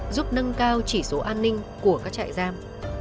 giúp nâng cao chỉ số an ninh của các trại giam